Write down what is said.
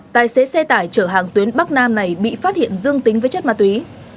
tài xế xe tải chở hàng tuyến bắc nam này bị phát hiện dương tính với chất ma túy